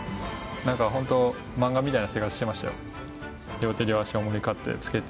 なんかホント漫画みたいな生活してましたよ。